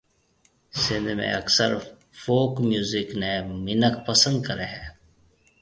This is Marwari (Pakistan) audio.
سنڌ ۾ اڪثر فوڪ ميوزڪ نيَ منک پسند ڪريَ هيَ